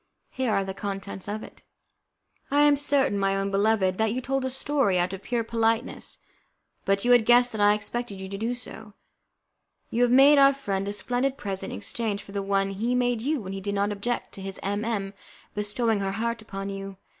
Here are the contents of it: "I am certain, my own beloved, that you told a story out of pure politeness, but you had guessed that I expected you to do so. You have made our friend a splendid present in exchange for the one he made you when he did not object to his M M bestowing her heart upon you.